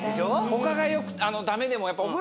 他がダメでも。